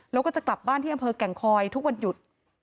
แล้วก็จะกลับบ้านที่อำเภอแก่งคอยทุกวันหยุด